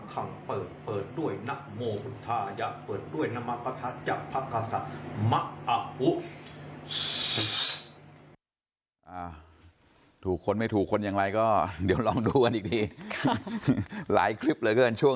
คำเปิดเปิดด้วยนักโมพุทธาอย่าเปิดด้วยนัมกษัตริย์จักรพกษัตริย์มะอาหุ